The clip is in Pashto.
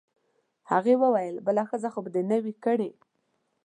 هغې وویل: بله ښځه خو به دي نه وي کړې؟